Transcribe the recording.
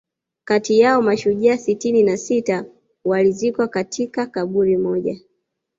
kati yao mashujaa sitini na sita walizikwa katika kaburi moja